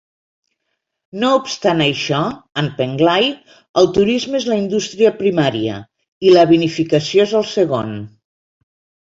No obstant això, en Penglai, el turisme és la indústria primària, i la vinificació és el segon.